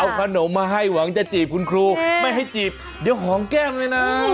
เอาขนมมาให้หวังจะจีบคุณครูไม่ให้จีบเดี๋ยวของแก้มเลยนะ